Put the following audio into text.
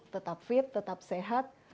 tetap fit tetap sehat